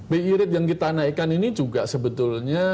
birib yang kita naikkan ini juga sebetulnya